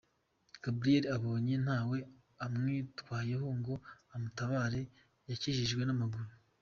Gabriela abonye ntawe umwitayeho ngo amutabare yakijijwe n’amaguru.